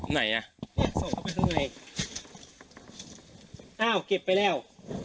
ไหนอ่ะส่งเข้าไปทำไงอ้าวเก็บไปแล้ว